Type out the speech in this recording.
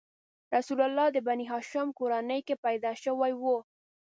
رسول الله د بنیهاشم کورنۍ کې پیدا شوی و.